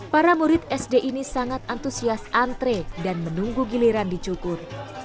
para murid sd ini sangat antusias antre dan menunggu giliran dicukur